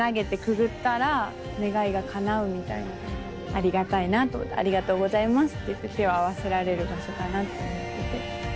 ありがたいなと思ってありがとうございますって言って手を合わせられる場所かなって思ってて。